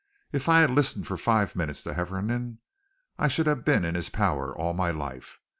If I had listened for five minutes to Hefferom I should have been in his power all my life.